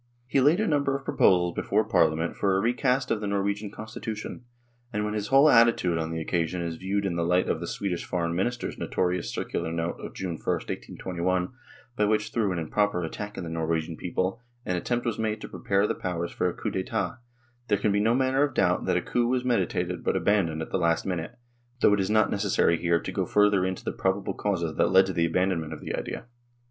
He laid a number of pro posals before Parliament for a recast of the Nor wegian Constitution, and when his whole attitude on the occasion is viewed in the light of the Swedish Foreign Minister's notorious circular note of June I, 1821, by which, through an improper attack on the Norwegian people, an attempt was made to prepare the Powers for a coup d'etat, there can be no manner of doubt that a coup was meditated but abandoned at the last minute, though it is not necessary here to go further into the probable causes that led to the abandonment of the idea.